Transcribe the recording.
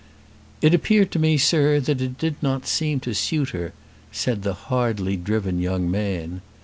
"It appeared to me, sir, that it did not seem to suit her," said the hardly driven young man.